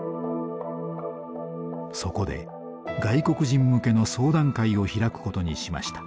そこで外国人向けの相談会を開くことにしました。